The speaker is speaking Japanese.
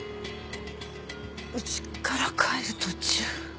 うちから帰る途中。